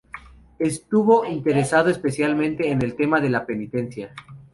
Estuvo interesado, especialmente, en el tema de la penitencia.